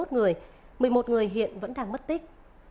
hai mươi một người một mươi một người hiện vẫn đang mất tích